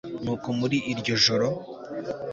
nuko muri iryo joro